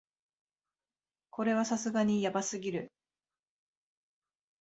これはさすがにヤバすぎる